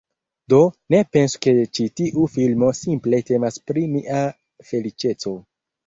Do, ne pensu ke ĉi tiu filmo simple temas pri mia feliĉeco